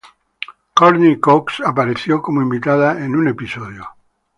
Courteney Cox apareció como invitada en un episodio.